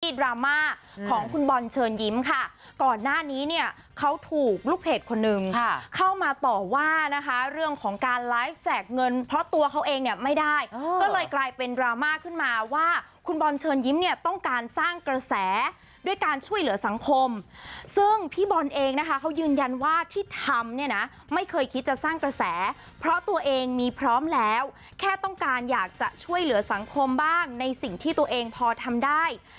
ที่ดราม่าของคุณบอลเชิญยิ้มค่ะก่อนหน้านี้เนี่ยเขาถูกลูกเผ็ดคนนึงเข้ามาต่อว่านะคะเรื่องของการไลฟ์จากเงินเพราะตัวเขาเองเนี่ยไม่ได้ก็เลยกลายเป็นดราม่าขึ้นมาว่าคุณบอลเชิญยิ้มเนี่ยต้องการสร้างกระแสด้วยการช่วยเหลือสังคมซึ่งพี่บอลเองนะคะเขายืนยันว่าที่ทำเนี่ยนะไม่เคยคิดจะสร้างกระแสเพราะตั